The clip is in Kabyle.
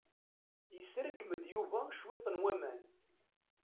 Yesserkem-d Yuba cwiṭ n waman.